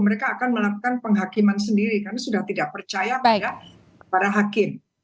mereka akan melakukan penghakiman sendiri karena sudah tidak percaya pada para hakim